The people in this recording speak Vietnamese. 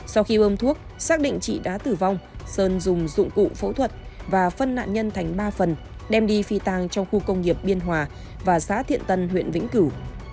sau khi ôm thuốc xác định chị đã tử vong sơn dùng dụng cụ phẫu thuật và phân nạn nhân thành ba phần đem đi phi tàng trong khu công nghiệp biên hòa và xã thiện tân huyện vĩnh cửu